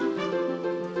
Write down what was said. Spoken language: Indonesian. gak ada gigi gue